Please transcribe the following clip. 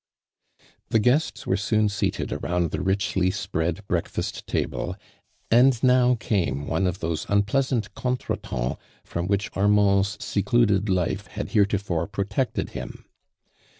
The guests were soon seated around the richly spread breakfast table, and now came one of those unpleasant contre temps from which Armand's secluded life had heretofore protected him.